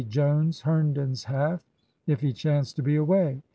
Jones— Herndon's half," if he chanced to be away.